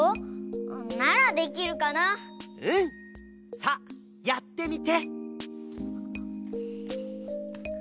さあやってみて！